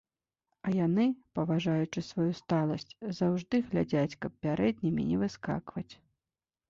А яны, паважаючы сваю сталасць, заўжды глядзяць, каб пярэднімі не выскакваць.